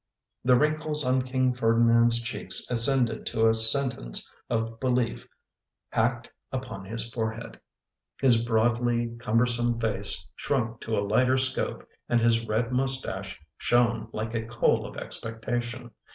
The wrinkles on King Ferdinand's cheeks ascended to a sentence of belief hacked upon his forehead. His broad ly cumbersome face shrunk to a lighter scope and his red moustache shone like a coal of expectation.